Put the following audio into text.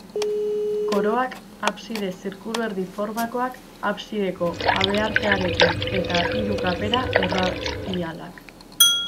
Koroak abside zirkuluerdi formakoak absideko habeartearekin eta hiru kapera erradialak.